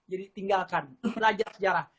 jadi tinggalkan belajar sejarah